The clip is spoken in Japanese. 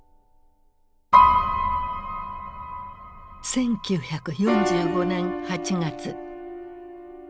１９４５年８月。